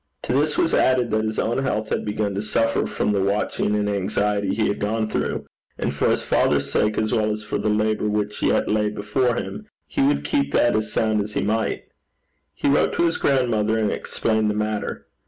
To this was added that his own health had begun to suffer from the watching and anxiety he had gone through, and for his father's sake, as well as for the labour which yet lay before him, he would keep that as sound as he might. He wrote to his grandmother and explained the matter.